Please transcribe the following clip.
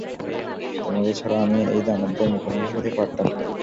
তোমাকে ছাড়া আমি এই দানবদের মুখোমুখি হতে পারতাম না।